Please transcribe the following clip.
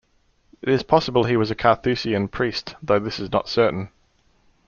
It is possible he was a Carthusian priest, though this is not certain.